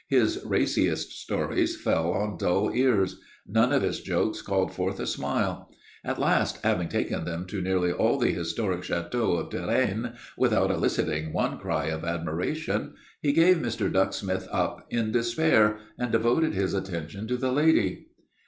His raciest stories fell on dull ears; none of his jokes called forth a smile. At last, having taken them to nearly all the historic châteaux of Touraine, without eliciting one cry of admiration, he gave Mr. Ducksmith up in despair and devoted his attention to the lady.